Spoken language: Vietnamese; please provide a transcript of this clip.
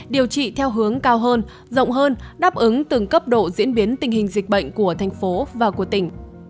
điều trị theo hướng cao hơn rộng hơn đáp ứng từng cấp độ diễn biến tình hình dịch bệnh của thành phố và của tỉnh